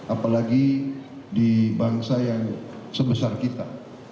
apalagi di bangsa yang sebesar kita